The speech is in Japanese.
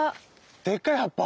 でかい葉っぱ？